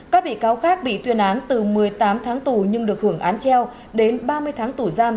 các bị cáo khác bị tuyên án từ một mươi tám tháng tù nhưng được hưởng án treo đến ba mươi tháng tù giam